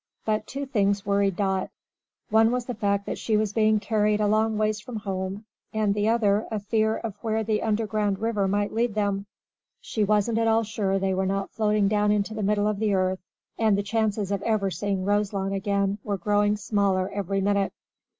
But two things worried Dot. One was the fact that she was being carried a long ways from home, and the other a fear of where the underground river might lead them. She wasn't at all sure they were not floating down into the middle of the earth, and the chances of ever seeing Roselawn again were growing smaller every minute.